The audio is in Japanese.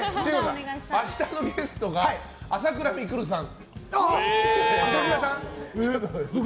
明日のゲストが朝倉未来さん。